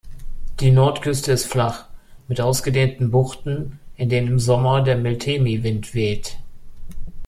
Die Nordküste ist flach, mit ausgedehnten Buchten, in denen im Sommer der Meltemi-Wind weht.